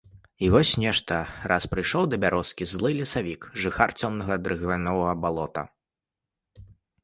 І вось нешта раз прыйшоў да бярозкі злы лесавік, жыхар цёмнага дрыгвянога балота.